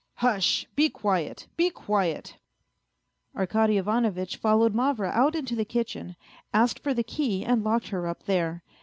" Hush, be quiet, be quiet 1 " Arkady Ivanovitch followed Mavra out into the kitchen, asked for the key and locked her up there.